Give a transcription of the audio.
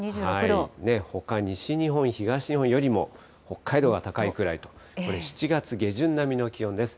ほか、西日本、東日本よりも北海道は高いくらいと、これ、７月下旬並みの気温です。